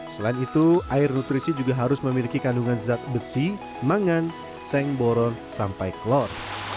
selain itu air nutrisi juga harus memiliki kandungan zat besi mangan seng boron sampai klor